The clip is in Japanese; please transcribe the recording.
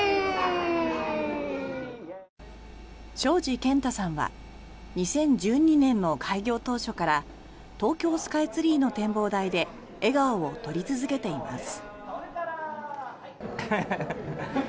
東海林健太さんは２０１２年の開業当初から東京スカイツリーの展望台で笑顔を撮り続けています。